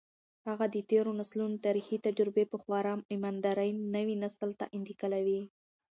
هغه د تېرو نسلونو تاریخي تجربې په خورا امانتدارۍ نوي نسل ته انتقالوي.